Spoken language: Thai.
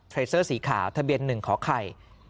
เซอร์สีขาวทะเบียน๑ขอไข่